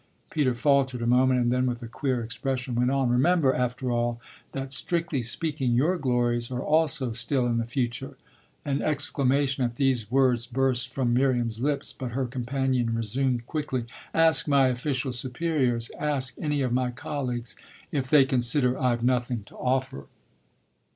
Peter faltered a moment and then with a queer expression went on: "Remember, after all, that, strictly speaking, your glories are also still in the future." An exclamation at these words burst from Miriam's lips, but her companion resumed quickly: "Ask my official superiors, ask any of my colleagues, if they consider I've nothing to offer."